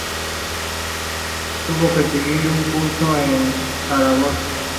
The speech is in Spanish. Tuvo que seguir un curso en Saratov.